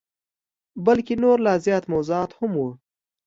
بلکه نور لا زیات موضوعات هم وه.